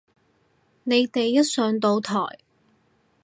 你哋一上到台